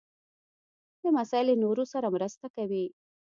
لمسی له نورو سره مرسته کوي.